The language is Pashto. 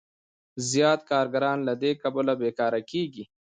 زیات کارګران له دې کبله بېکاره کېږي